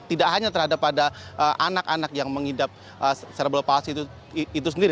tidak hanya terhadap pada anak anak yang mengidap cerebral palsi itu sendiri